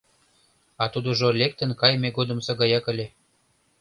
А тудыжо лектын кайыме годымсо гаяк ыле.